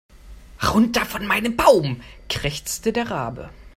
Runter von meinem Baum, krächzte der Rabe.